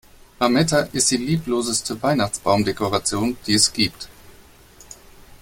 Lametta ist die liebloseste Weihnachtsbaumdekoration, die es gibt.